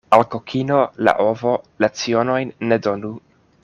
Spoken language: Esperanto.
Al kokino la ovo lecionojn ne donu.